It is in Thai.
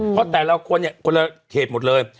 เพราะแต่ละคนเนี่ยคนละเขตหมดเลย